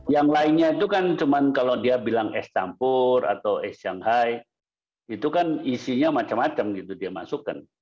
yang lainnya itu kan cuma kalau dia bilang es campur atau es shanghai itu kan isinya macam macam gitu dia masukkan